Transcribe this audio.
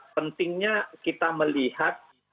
pentingnya kita melihat